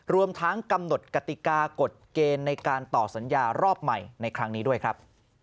รวมทั้งกำหนดกติกากฎเกณฑ์ในการต่อสัญญารอบใหม่ในครั้งนี้ด้วยครับ